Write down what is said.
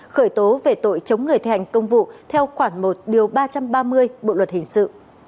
khởi tố về tội chống người thể hành công vụ theo khoảng một ba trăm ba mươi bộ luật hình sự